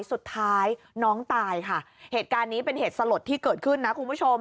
สุดท้ายน้องตายค่ะเหตุการณ์นี้เป็นเหตุสลดที่เกิดขึ้นนะคุณผู้ชม